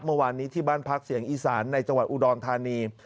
เมื่อวานนี้ที่บ้านพักเสียงอีสานในจังหวัดอุดรธานี